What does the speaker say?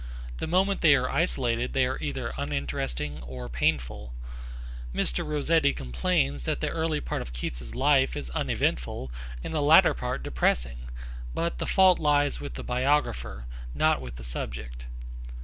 The moment they are isolated they are either uninteresting or painful. Mr. Rossetti complains that the early part of Keats's life is uneventful and the latter part depressing, but the fault lies with the biographer, not with the subject.